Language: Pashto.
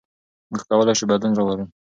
موږ کولای شو بدلون راوړو.